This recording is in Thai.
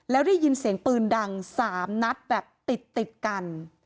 แล้วได้ยินเสียงปืนดัง๓นัดแบบติดกัน